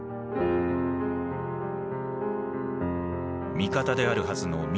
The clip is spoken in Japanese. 味方であるはずの南